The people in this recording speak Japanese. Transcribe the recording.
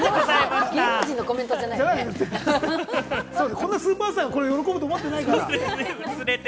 こんなスーパースターが喜ぶと思ってないから。